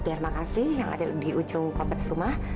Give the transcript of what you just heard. biar makasih yang ada di ujung kompleks rumah